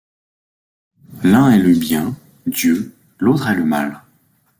L'un est le Bien, Dieu, l'autre est le Mal.